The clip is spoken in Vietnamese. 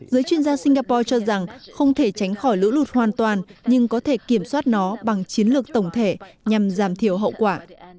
giới chuyên gia singapore cho rằng không thể tránh khỏi lũ lụt hoàn toàn nhưng có thể kiểm soát nó bằng chiến lược tổng thể nhằm giảm thiểu hậu quả